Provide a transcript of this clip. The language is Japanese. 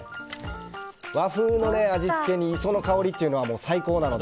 和風の味付けに磯の香りというのは最高なので。